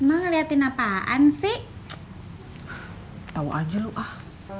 hai mau ngeliatin apaan sih tahu aja lu ah